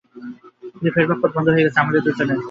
কিন্তু ফেরবার পথ বন্ধ হয়ে গেছে, আমাদের দুজনেরই।